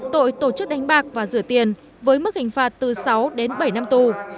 tội tổ chức đánh bạc và rửa tiền với mức hình phạt từ sáu đến bảy năm tù